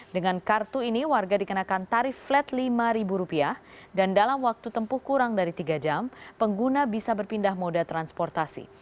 dengan kartu ini warga dikenakan tarif flat rp lima dan dalam waktu tempuh kurang dari tiga jam pengguna bisa berpindah moda transportasi